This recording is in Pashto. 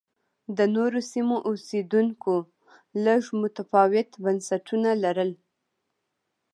د نورو سیمو اوسېدونکو لږ متفاوت بنسټونه لرل